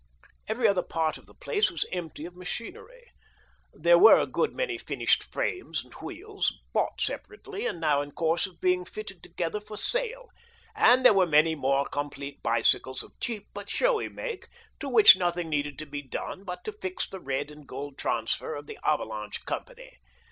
'" Every other part of the place was empty of machinery. There were a good many finished frames and wheels, bought separately, and now in course of being fitted together for sale ; and there were many more complete bicycles of cheap but showy make to which nothing needed to be done but to fix the red and gold " transfer " of the " Avalanche " company.